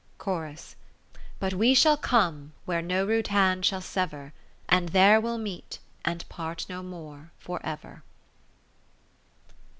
Chorus. But we shall come where no rude hand shall sever. And there we'll meet and part no more for ever.